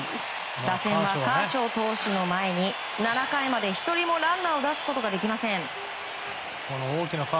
打線はカーショー投手の前に７回まで１人のランナーも出すことができません。